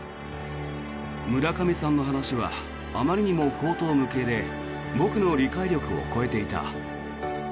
村上さんの話はあまりにも荒唐無稽で僕の理解力を超えていた。